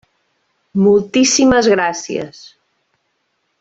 Moltíssimes gràcies.